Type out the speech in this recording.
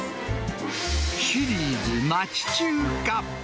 シリーズ町中華。